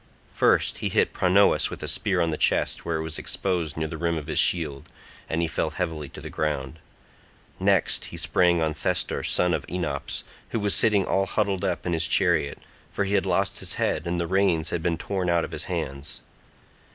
First he hit Pronous with a spear on the chest where it was exposed near the rim of his shield, and he fell heavily to the ground. Next he sprang on Thestor son of Enops, who was sitting all huddled up in his chariot, for he had lost his head and the reins had been torn out of his hands.